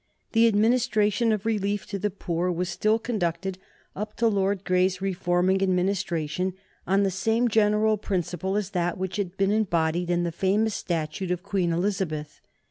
The administration of relief to the poor was still conducted, up to Lord Grey's reforming Administration, on the same general principle as that which had been embodied in the famous statute of Queen Elizabeth.